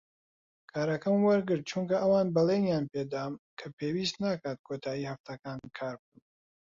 کارەکەم وەرگرت چونکە ئەوان بەڵێنیان پێ دام کە پێویست ناکات کۆتایی هەفتەکان کار بکەم.